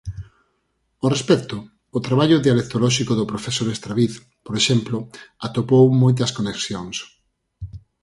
Ao respecto, o traballo dialectolóxico do profesor Estraviz, por exemplo, atopou moitas conexións.